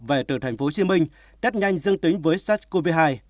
về từ tp hcm test nhanh dương tính với sars cov hai